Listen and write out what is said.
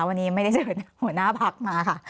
วันนี้ไม่ได้เชิญหัวหน้าพักมาค่ะ